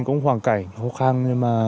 cũng hoảng cảnh khô khăn nhưng mà